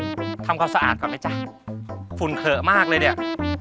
พี่ปอยก่อนจัดอะทำเขาสะอาดก่อนไหมจ๊ะฝุ่นเหลือมากเลยเนี่ย